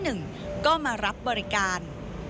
เข้ามารับบริการ